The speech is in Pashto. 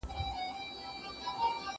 بریتانوي څیړونکي وايي لږ ورزش هم ګټور دی.